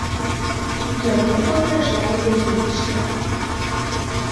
Яму пагражае вялікі штраф.